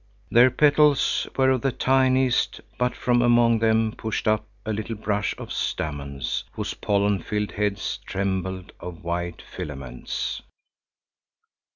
Their petals were of the tiniest, but from among them pushed up a little brush of stamens, whose pollen filled heads trembled on white filaments.